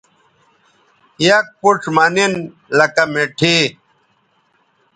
یک پوڇ مہ نن لکہ مٹھائ